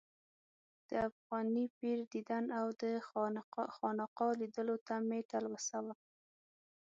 د افغاني پیر دیدن او د خانقا لیدلو ته مې تلوسه وه.